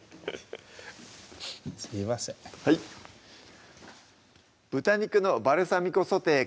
すみませんはい「豚肉のバルサミコソテー」